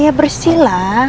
ya bersih lah